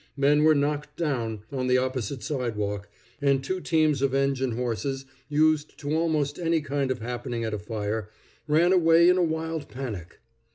Men were knocked down on the opposite sidewalk, and two teams of engine horses, used to almost any kind of happening at a fire, ran away in a wild panic.